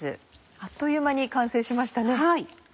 あっという間に完成しましたね。